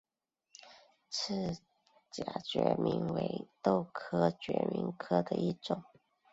翅荚决明为豆科决明属下的一个种。